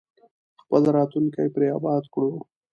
خپل راتلونکی پرې اباد کړو.